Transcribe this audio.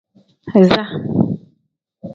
Iza.